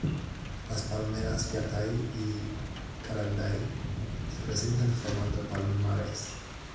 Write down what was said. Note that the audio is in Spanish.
Las palmeras yatay y caranday se presentan formando palmares.